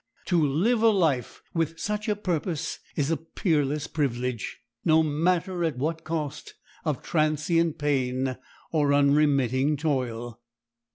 To live a life with such a purpose is a peerless privilege, no matter at what cost of transient pain or unremitting toil.